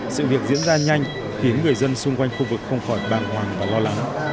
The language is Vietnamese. sự việc diễn ra nhanh khiến người dân xung quanh khu vực không khỏi bàng hoàng và lo lắng